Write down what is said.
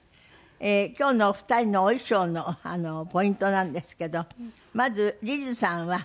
今日のお二人のお衣装のポイントなんですけどまずリズさんは。